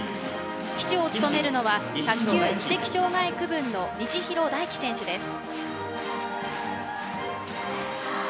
旗手を務めるのは卓球・知的障害区分の西廣大貴選手です。